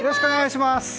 よろしくお願いします！